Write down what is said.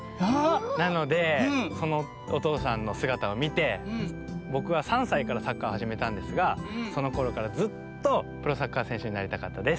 なのでそのおとうさんのすがたをみてぼくは３さいからサッカーはじめたんですがそのころからずっとプロサッカーせんしゅになりたかったです。